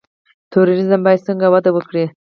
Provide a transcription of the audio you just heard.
توریزم باید څنګه وده وکړي؟